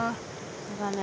そうだね。